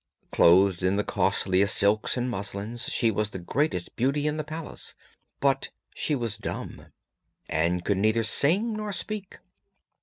Clothed in the costliest silks and muslins she was the greatest beauty in the palace, but she was dumb, and could neither sing nor speak.